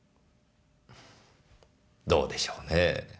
どうでしょうね？